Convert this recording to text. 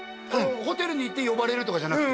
ホテルにいて呼ばれるとかじゃなく？